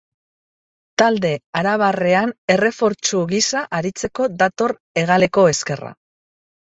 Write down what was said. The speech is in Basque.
Talde arabarrean errefortsu gisa aritzeko dator hegaleko ezkerra.